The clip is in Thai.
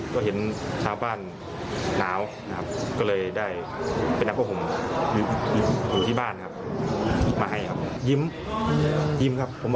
ก็เป็นความสงสารครับ